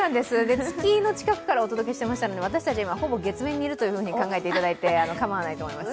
月の近くからお届けしていましたので、私たち、月面にいると考えていただいて、構わないと思います。